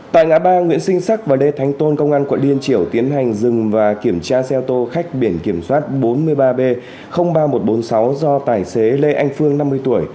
tại ngã ba nguyễn sinh sắc và lê thánh tôn công an quận liên triểu tiến hành dừng và kiểm tra xe ô tô khách biển kiểm soát bốn mươi ba b ba nghìn một trăm bốn mươi sáu do tài xế lê anh phương năm mươi tuổi